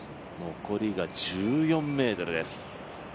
残りが１４ｍです。